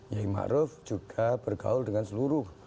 yai maruf juga bergaul dengan seluruh